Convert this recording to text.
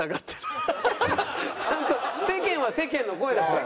ちゃんと世間は世間の声だから。